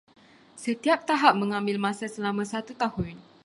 Setiap tahap mengambil masa selama satu tahun.